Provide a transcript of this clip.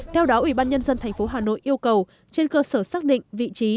theo đó ubnd tp hà nội yêu cầu trên cơ sở xác định vị trí